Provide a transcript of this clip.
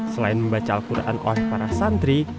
selain membaca al quran oleh para santri